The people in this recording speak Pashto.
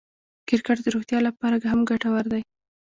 کرکټ د روغتیا له پاره هم ګټور دئ.